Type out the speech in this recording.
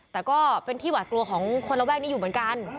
แต่ก็เป็นที่หวาดกลัวของคนระแวกนี้อยู่เหมือนกัน